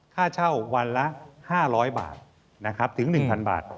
ค่าเช่าวันละ๕๐๐บาทนะครับถึง๑๐๐บาท